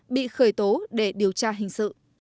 bị khởi tố để điều tra hình sự